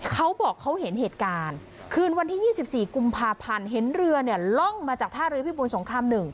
เขาบอกเขาเห็นเหตุการณ์คืนวันที่๒๔กุมภาพันธ์เห็นเรือเนี่ยล่องมาจากท่าเรือพิบูรสงคราม๑